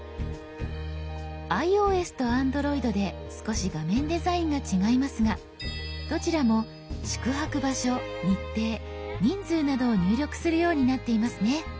ｉＯＳとＡｎｄｒｏｉｄで少し画面デザインが違いますがどちらも宿泊場所日程人数などを入力するようになっていますね。